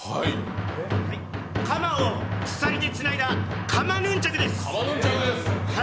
鎌を鎖でつないだ鎌ヌンチャクです。